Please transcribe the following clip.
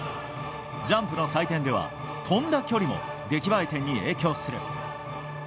ジャンプの採点では跳んだ距離も出来栄え点に影響する。